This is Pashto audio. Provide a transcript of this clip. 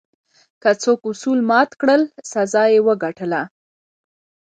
که څوک اصول مات کړل، سزا یې وګټله.